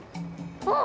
あっ！